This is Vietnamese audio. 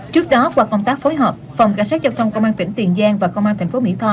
trước đó qua công tác phối hợp phòng cảnh sát giao thông công an tp thủ đức và công an tp hcm